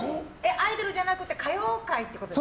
アイドルじゃなくて歌謡界ってこと？